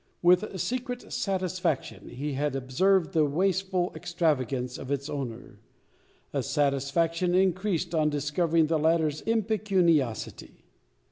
With secret satisfaction he had observed the wasteful extravagance of its owner; a satisfaction increased on discovering the latter's impecuniosity.